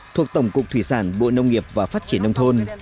thuộc tổng cục thủy sản bộ nông nghiệp và phát triển nông thôn